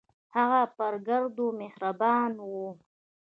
هغه پر ګردو مهربان و.